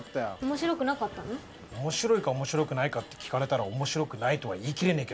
面白いか面白くないかって聞かれたら面白くないとは言いきれねえけど。